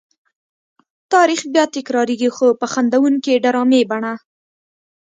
تاریخ بیا تکرارېږي خو په خندوونکې ډرامې بڼه.